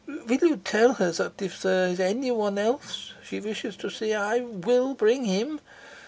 "Will you tell her that if there is anyone else she wishes to see I will bring him?